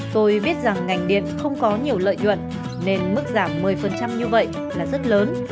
tôi biết rằng ngành điện không có nhiều lợi nhuận nên mức giảm một mươi như vậy là rất lớn